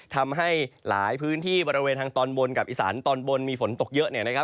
ทำให้หลายพื้นที่บริเวณทางอีสานตอนบนมีฝนตกเยอะ